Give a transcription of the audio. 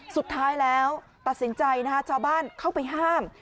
สุดท้ายแล้วตัดสินใจนะฮะชาวบ้านเข้าไปห้าม